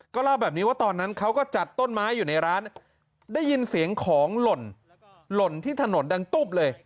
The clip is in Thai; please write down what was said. เล่าแบบนี้ว่าตอนนั้นเขาก็จัดต้นไม้อยู่ในร้านได้ยินเสียงของหล่นที่ถนนดังตุ๊บเลย